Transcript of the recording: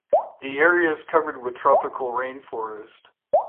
The area is covered with tropical rainforest.